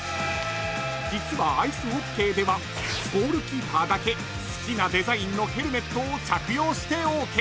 ［実はアイスホッケーではゴールキーパーだけ好きなデザインのヘルメットを着用してＯＫ］